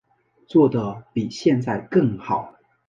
做得比现在更好